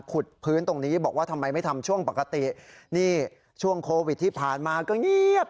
พื้นตรงนี้บอกว่าทำไมไม่ทำช่วงปกตินี่ช่วงโควิดที่ผ่านมาก็เงียบ